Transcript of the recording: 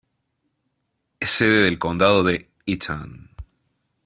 Es sede del condado de Eaton.